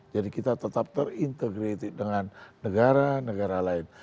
jadi kita tetap terintegrated dengan negara negara lain